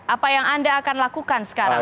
apa yang anda akan lakukan sekarang